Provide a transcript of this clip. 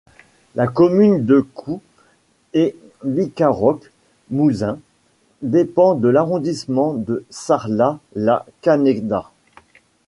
La commune de Coux et Bigaroque-Mouzens dépend de l'arrondissement de Sarlat-la-Canéda.